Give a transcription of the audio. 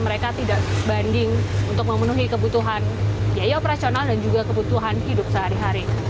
mereka tidak banding untuk memenuhi kebutuhan biaya operasional dan juga kebutuhan hidup sehari hari